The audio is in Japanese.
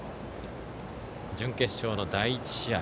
準決勝の第１試合